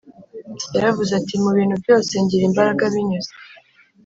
yaravuze ati mu bintu byose ngira imbaraga binyuze